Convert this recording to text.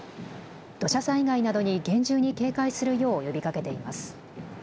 土砂災害などに厳重に警戒するよう呼びかけています。